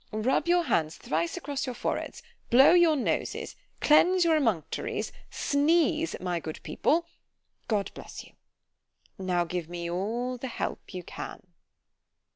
Rub your hands thrice across your foreheads—blow your noses—cleanse your emunctories—sneeze, my good people!——God bless you—— Now give me all the help you can.